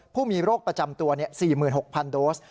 ผู้มีโรคประจำตัว๔๖๐๐โดส